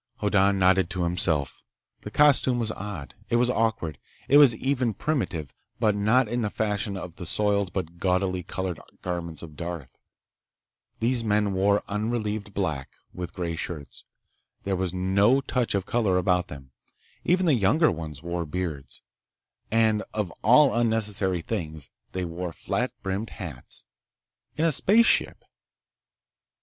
Hoddan nodded to himself. The costume was odd. It was awkward. It was even primitive, but not in the fashion of the soiled but gaudily colored garments of Darth. These men wore unrelieved black, with gray shirts. There was no touch of color about them. Even the younger ones wore beards. And of all unnecessary things, they wore flat brimmed hats—in a spaceship!